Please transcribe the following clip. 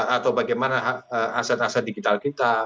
atau bagaimana aset aset digital kita